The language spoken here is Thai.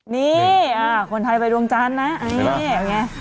นี่คนไทยไปดวงจันทร์นะนี่เป็นไง